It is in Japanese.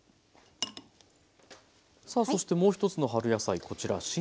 さあそしてもう一つの春野菜こちら新たまねぎ。